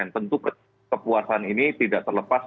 tentu kepuasan ini tidak terlepas